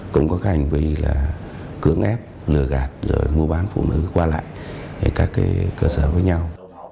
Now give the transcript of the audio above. cũng có hành vi là cưỡng ép lừa gạt rồi mua bán phụ nữ qua lại các cơ sở với nhau